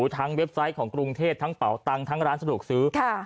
เว็บไซต์ของกรุงเทพทั้งเป่าตังค์ทั้งร้านสะดวกซื้อ